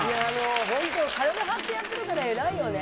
本当、体張ってやってるから、えらいよね。